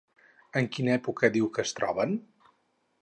En quina època diu que es troben?